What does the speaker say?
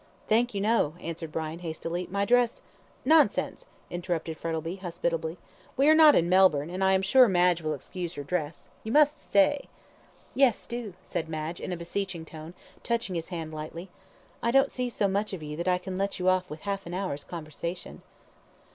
"Thank you, no!" answered Brian, hastily, "my dress " "Nonsense," interrupted Frettlby, hospitably; "we are not in Melbourne, and I am sure Madge will excuse your dress. You must stay." "Yes, do," said Madge, in a beseeching tone, touching his hand lightly. "I don't see so much of you that I can let you off with half an hour's conversation."